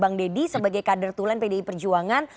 bang deddy sebagai kader tulen pdi perjuangan